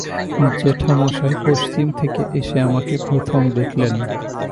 জ্যেঠামশায় পশ্চিম থেকে এসে আমাকে প্রথম দেখলেন।